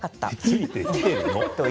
ついてきているの。